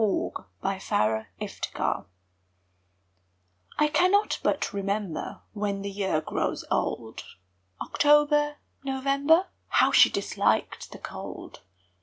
When the Year Grows Old I cannot but remember When the year grows old October November How she disliked the cold!